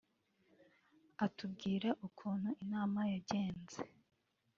atubwira ukuntu inama yagenze